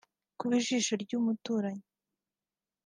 kuba ijisho ry’umuturanyi